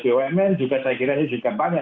bumn juga saya kira itu juga banyak